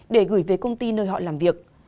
để gửi về công ty nơi họ làm việc